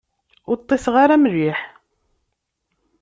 Ur ṭṭiseɣ ara mliḥ.